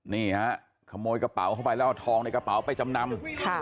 นี่ฮะขโมยกระเป๋าเข้าไปแล้วเอาทองในกระเป๋าไปจำนำ